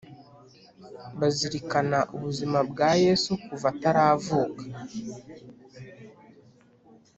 bazirikana ubuzima bwa yesu kuva ataravuka